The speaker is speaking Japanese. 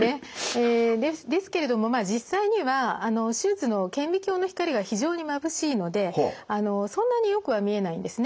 えですけれどもまあ実際には手術の顕微鏡の光が非常にまぶしいのでそんなによくは見えないんですね。